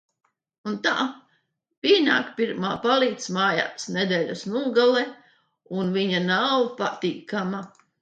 Un tā pienāk pirmā "paliec mājās" nedēļas nogale un viņa nav patīkama.